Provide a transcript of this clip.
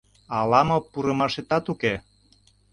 Ала-мо пурымашетат уке.